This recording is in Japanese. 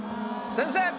先生！